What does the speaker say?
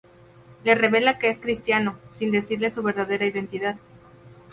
Le revela que es cristiano, sin decirle su verdadera identidad.